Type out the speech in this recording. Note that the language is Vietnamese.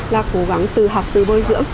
là cố gắng từ học từ bôi dưỡng